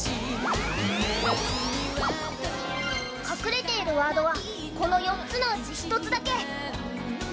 隠れているワードはこの４つのうち１つだけ。